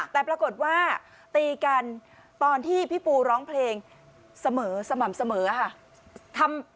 แต่ปรากฏว่าตีกันตอนที่พี่ปูร้องเพลงเสมอสม่ำเสมอค่ะ